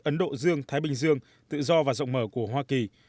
ấn độ dương thái bình dương tự do và rộng mở của hoa kỳ